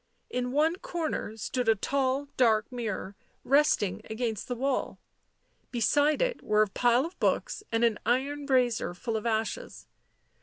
In one corner stood a tall dark mirror, resting against the wall ; beside it were a pile of books and an iron brazier full of ashes.